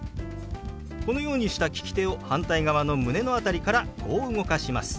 このようにした利き手を反対側の胸の辺りからこう動かします。